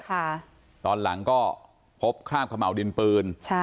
ค่ะตอนหลังก็พบคราบขะเหมาดินปืน